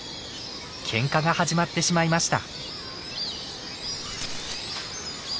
けんかが始まってしまいました。